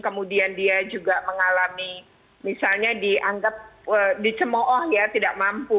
kemudian dia juga mengalami misalnya dianggap dicemooh ya tidak mampu